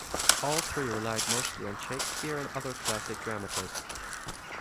All three relied mostly on Shakespeare and other classic dramatists.